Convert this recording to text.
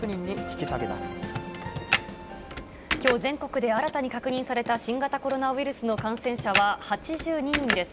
きょう全国で新たに確認された新型コロナウイルスの感染者は８２人です。